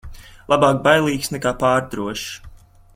Labāk bailīgs nekā pārdrošs.